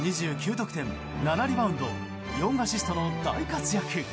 得点７リバウンド４アシストの大活躍。